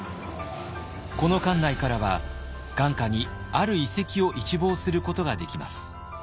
この館内からは眼下にある遺跡を一望することができます。